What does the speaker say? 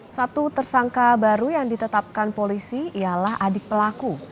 satu tersangka baru yang ditetapkan polisi ialah adik pelaku